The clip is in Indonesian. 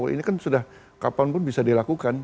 ini kan sudah kapanpun bisa dilakukan